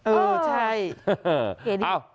เออใช่เหตุนี้